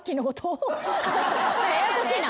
ややこしいな。